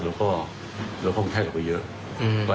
แล้วก็คนไข้เราก็เยอะ